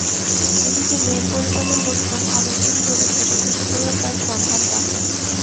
এদিকে মেয়ের পরিবারের লোকজন অনেক দিন ধরে খোঁজাখুঁজি করেও তার সন্ধান পাননি।